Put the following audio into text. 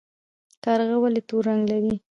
کارغه ولې تور رنګ لري؟